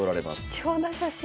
貴重な写真。